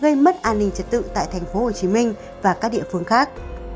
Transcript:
gây mất an ninh trật tự tại tp hcm và các địa phương khác